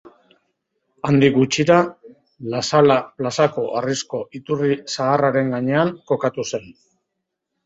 Handik gutxira Lasala plazako harrizko iturri zaharraren gainean, kokatu zen.